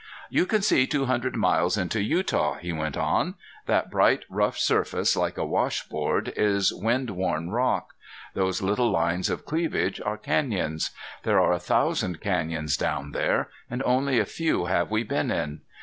"You can see two hundred miles into Utah," he went on. "That bright rough surface, like a washboard, is wind worn rock. Those little lines of cleavage are canyons. There are a thousand canyons down there, and only a few have we been in.